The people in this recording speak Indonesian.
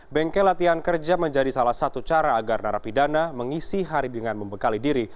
bengkel latihan kerja menjadi salah satu cara agar narapidana mengisi hari dengan membekali diri